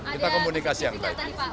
kita komunikasi yang baik